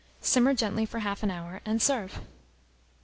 Simmer gently for half an hour, and serve.